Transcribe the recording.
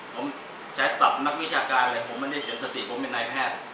ผมใช้ศัพท์นักวิชาการเลยผมไม่ได้เสียสติผมเป็นนายแพทย์